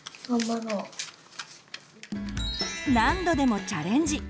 何度でもチャレンジ。